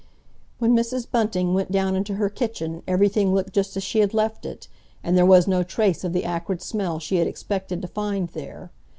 When Mrs. Bunting went down into her kitchen everything looked just as she had left it, and there was no trace of the acrid smell she had expected to find there.